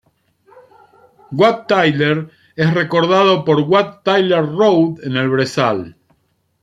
Wat Tyler es recordado por Wat Tyler Road en el brezal.